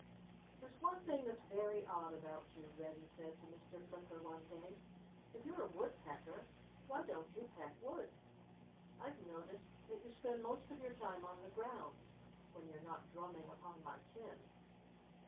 "There's one thing that's very odd about you," Reddy said to Mr. Flicker one day. "If you're a Woodpecker, why don't you peck wood? I've noticed that you spend most of your time on the ground—when you're not drumming upon my tin."